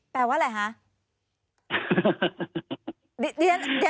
แปลว่าอะไรคะ